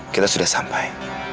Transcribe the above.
kita sudah sampai